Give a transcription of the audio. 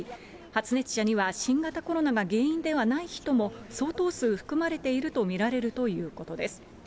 発熱者には、新型コロナが原因ではない人も相当数含まれていると見られるということです。